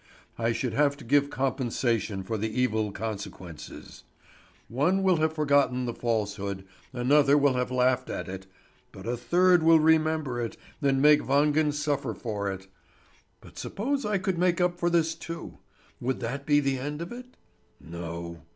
I should have to give compensation for the evil consequences. One will have forgotten the falsehood, another will have laughed at it, but a third will remember it and make Wangen suffer for it. But suppose I could make up for this too? Would that be the end of it? No.